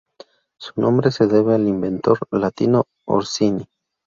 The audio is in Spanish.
Su nombre se debe al inventor: Latino Orsini.